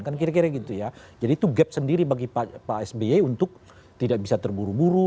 kan kira kira gitu ya jadi itu gap sendiri bagi pak sby untuk tidak bisa terburu buru